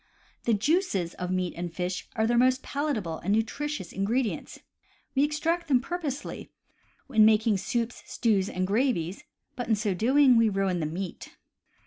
The juices of meats and fish are their most palatable and nutritious ingredients. We extract them purposely in making soups, stews, and gravies, but in so doing we ruin the meat.